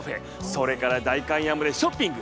それから代官山でショッピング。